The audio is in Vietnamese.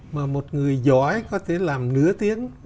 mà một người giỏi